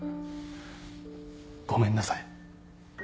ごめんなさい。